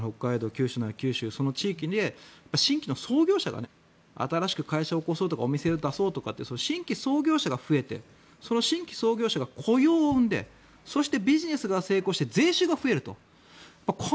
九州なら九州、その地域で新規の創業者が新しく会社を興そうとかお店を出そうとか新規創業者が増えて新規創業者が雇用を生んで地域が活性化して税収が増えると。